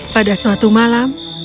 pada suatu malam